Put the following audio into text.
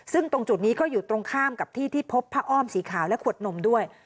ซึ่งตรงจุดนี้ก็อยู่ตรงข้ามกับที่ที่พบผ้าอ้อมสีขาวและขวดนมด้วย